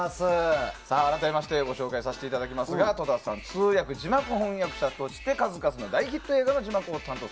改めましてご紹介させていただきますが戸田さん通訳・字幕翻訳者として数々の大ヒット映画の字幕を担当。